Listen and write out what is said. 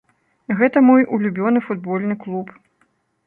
Гэта мой улюбёны футбольны клуб.